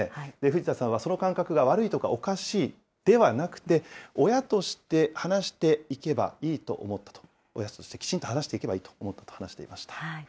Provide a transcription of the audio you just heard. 藤田さんはその感覚が悪いとかおかしいではなくて、親として話していけばいいと思ったと、親としてきちんと話していけばいいと思ったと話していました。